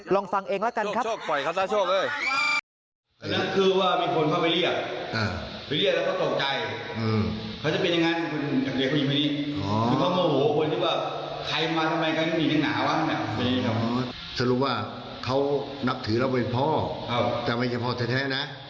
เธอรู้ว่าเขานับถือจะเป็นพ่อแต่ไม่เฉพาะแท้นะ